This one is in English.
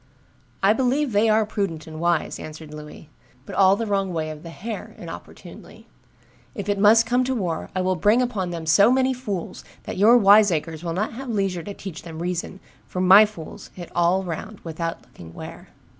"I believe they are prudent and wise," answered Louis, "but all the wrong way of the hair (inopportunely); if it must come to war, I will bring upon them so many fools, that your wiseacres will not have leisure to teach them reason, for my fools hit all round without looking where."